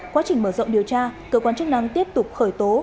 quá trình mở rộng điều tra cơ quan chức năng tiếp tục khởi tố